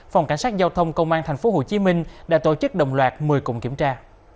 phòng cảnh sát giao thông công an tp hcm đã tổ chức đồng loạt một mươi cùng kiểm tra